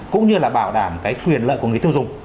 cũng như là bảo đảm cái quyền lợi của người tiêu dùng